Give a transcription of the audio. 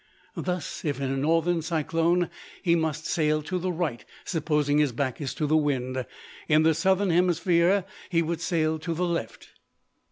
Thus, if in a northern cyclone, he must sail to the right, supposing his back is to the wind: in the southern hemisphere, he would sail to the left.